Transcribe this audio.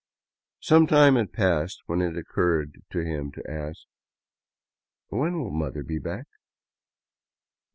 Some time had passed when it occurred to him to ask :" When will mother be back